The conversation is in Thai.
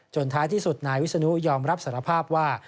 ท้ายที่สุดนายวิศนุยอมรับสารภาพว่า